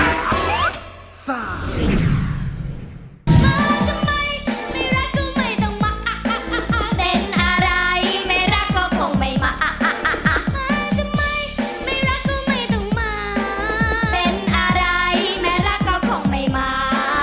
เป็นอะไรแม้รักก็คงไม่มา